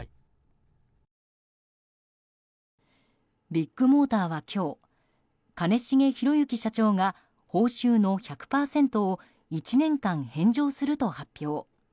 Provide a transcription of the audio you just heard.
ビッグモーターは今日兼重宏行社長が報酬の１００％を１年間返上すると発表。